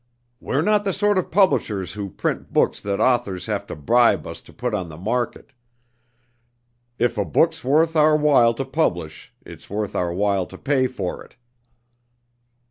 "We're not the sort of publishers who print books that authors have to bribe us to put on the market. If a book's worth our while to publish, it's worth our while to pay for it."